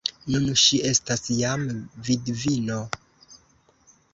Nun ŝi estas jam vidvino!